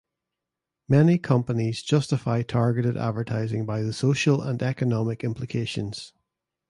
Many companies justify targeted advertising by the social and economic implications.